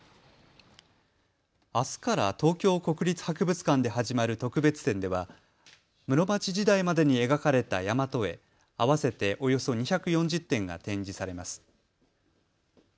あすから東京国立博物館で始まる特別展では室町時代までに描かれたやまと絵、合わせておよそ２４０点が展示されます。